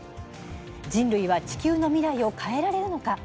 人類は地球の未来を変えられるのか？